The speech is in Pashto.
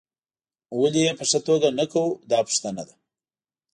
ولې یې په ښه توګه نه کوو دا پوښتنه ده.